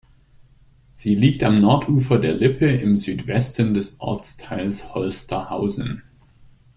Sie liegt am Nordufer der Lippe im Südwesten des Ortsteils Holsterhausen.